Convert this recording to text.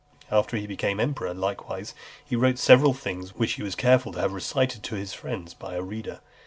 After he became emperor, likewise, he wrote several things (329) which he was careful to have recited to his friends by a reader.